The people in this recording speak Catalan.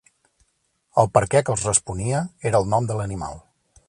El “Perquè” que els responia era el nom de l'animal.